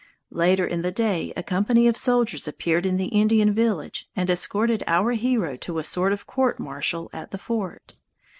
Later in the day a company of soldiers appeared in the Indian village, and escorted our hero to a sort of court martial at the fort.